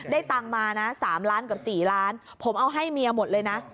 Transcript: ตังค์มานะ๓ล้านกับ๔ล้านผมเอาให้เมียหมดเลยนะ